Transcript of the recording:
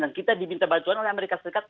dan kita diminta bantuan oleh amerika serikat